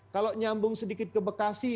kalau nyambung sedikit ke bekasi